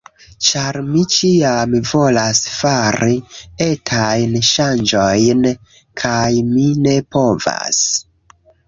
Ĉar mi ĉiam volas fari etajn ŝanĝojn, kaj mi ne povas